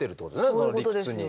その理屈に。